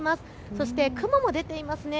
そして雲も出ていますね。